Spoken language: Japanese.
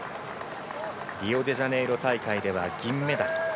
リオデジャネイロ大会では銀メダル。